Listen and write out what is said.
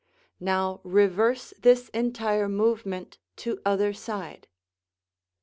Now reverse this entire movement to other side.